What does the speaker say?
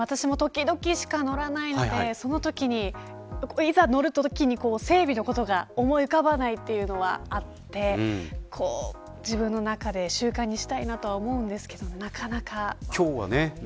私も時々しか乗らないのでいざ乗るときに整備の事が思い浮かばないのはあって自分の中で習慣にしたいと思いますがなかなか。